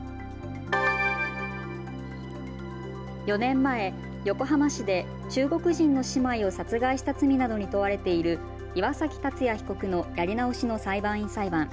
４年前、横浜市で中国人の姉妹を殺害した罪などに問われている岩嵜竜也被告のやり直しの裁判員裁判。